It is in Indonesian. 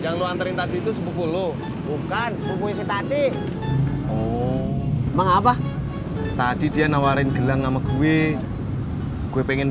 yang lu antri tadi itu sepuluh bukan bukti tadi emang apa tadi dia nawarin gelang sama gue gue pengen